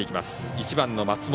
１番の松本。